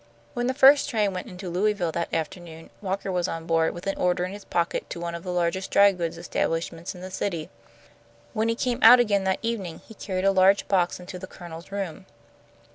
When the first train went into Louisville that afternoon, Walker was on board with an order in his pocket to one of the largest dry goods establishments in the city. When he came out again, that evening, he carried a large box into the Colonel's room.